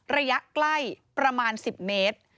ระยะใกล้ประมาณ๑๐เมตร